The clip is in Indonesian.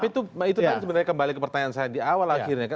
tapi itu sebenarnya kembali ke pertanyaan saya di awal akhirnya kan